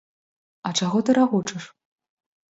А чаго ты рагочаш?